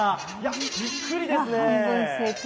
びっくりですね！